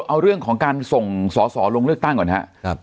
เอาเรื่องของการส่งสอสอลงเลือกตั้งก่อนครับ